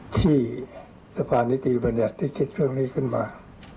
ที่สะพานนิติบัญญัติได้คิดเรื่องนี้ขึ้นมา